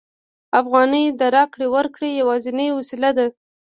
افغانۍ د راکړې ورکړې یوازینۍ وسیله ده